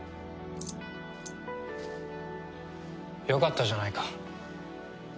よかったじゃないか。